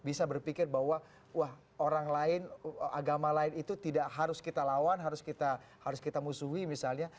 bisa berpikir bahwa wah orang lain agama lain itu tidak harus kita lawan harus kita musuhi misalnya